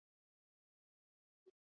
Anaendesha gari kwa kasi.